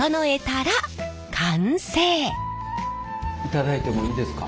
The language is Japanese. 頂いてもいいですか？